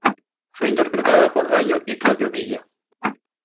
Fue interpretada por Gallo y Claudio Villa.